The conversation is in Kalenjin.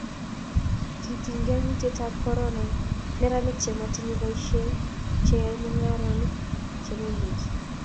kitiny kaimutietab korona neranik che matinyei boisie, che yoe mung'arenik che mengechen